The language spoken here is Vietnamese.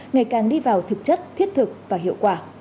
ngày càng đi vào thực chất thiết thực và hiệu quả